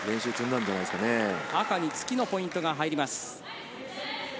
赤に突きのポイントが入ります。